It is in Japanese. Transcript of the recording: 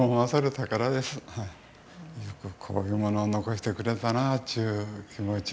よくこういうものを残してくれたなっていう気持ち。